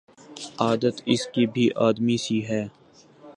عادت اس کی بھی آدمی سی ہے